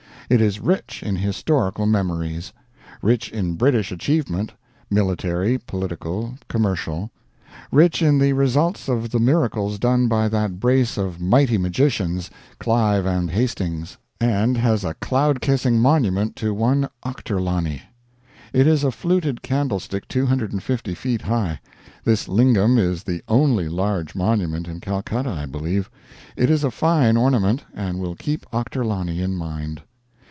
It is rich in historical memories; rich in British achievement military, political, commercial; rich in the results of the miracles done by that brace of mighty magicians, Clive and Hastings. And has a cloud kissing monument to one Ochterlony. It is a fluted candlestick 250 feet high. This lingam is the only large monument in Calcutta, I believe. It is a fine ornament, and will keep Ochterlony in mind.